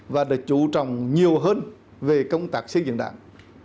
và đã chú trọng nhiều hơn về công tác xây dựng đảng